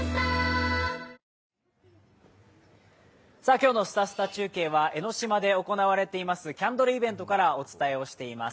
今日の「すたすた中継」は江の島で行われているキャンドルイベントからお伝えしています。